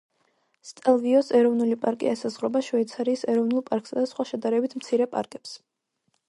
სტელვიოს ეროვნული პარკი ესაზღვრება შვეიცარიის ეროვნულ პარკსა და სხვა შედარებით მცირე პარკებს.